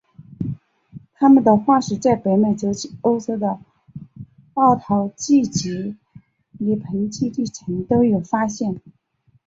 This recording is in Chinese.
它们的化石在北美洲及欧洲的奥陶纪及泥盆纪地层都有发现。